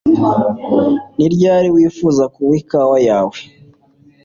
Ni ryari wifuza kunywa ikawa yawe